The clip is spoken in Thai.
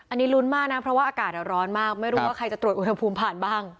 อันนี้ลุ้นมากนะเพราะว่าอากาศร้อนมากไม่รู้ว่าใครจะตรวจอุณหภูมิผ่านบ้าง